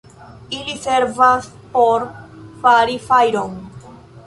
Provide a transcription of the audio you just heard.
Ili servas por fari fajron.